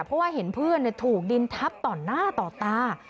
เพราะว่าเห็นเพื่อนถูกดินทับต่อหน้าต่อตา